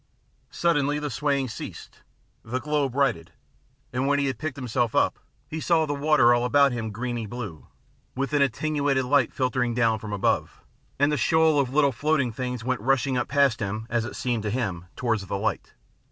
Suddenly the swaying ceased ; the globe righted, and when he had picked himself up, he saw the 82 THE PLATTNER STORY AND OTHERS water all about him greeny blue, with an attenuated light filtering down from above, and a shoal of little floating things went rushing up past him, as it seemed to him, towards the light.